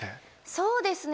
そうですね